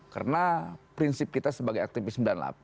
karena prinsip kita sebagai aktivis sembilan puluh delapan